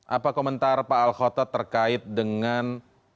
apa komentar pak al khotod terkait dengan